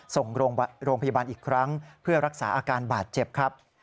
ส่งโรงพยาบาลอีกครั้งเพื่อรักษาอาการบาดเจ็บครับ